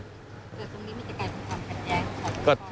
เกิดตรงนี้มันจะกลายเป็นคำถามขัดแย้ง